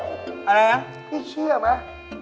อะไรนะพี่เชื่อไหม